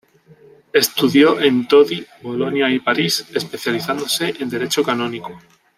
Estudió en Todi, Bolonia y París, especializándose en Derecho Canónico.